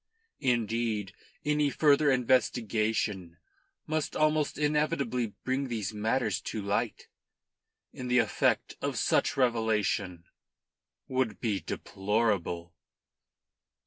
Indeed any further investigation must almost inevitably bring these matters to light, and the effect of such revelation would be deplorable."